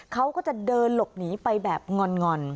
เขาก็จะเดินหลบหนีไปแบบงอน